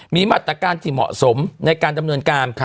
มีมาตรการที่เหมาะสมในการดำเนินการ